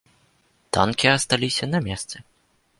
Танкі асталіся на месцы.